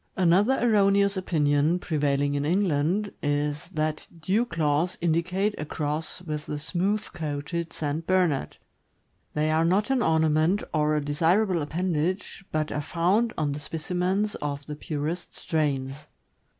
Another erroneous opinion, prevailing in England, is that dew claws indicate a cross with the smooth coated St. Bernard. They are not an ornament or a desirable appendage, but are found on specimens of the purest strains.